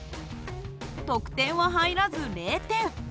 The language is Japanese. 得点は入らず０点。